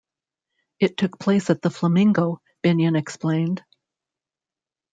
"It took place at the Flamingo," Binion explained.